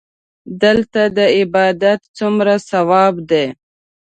دلته د عبادت څومره ثواب دی.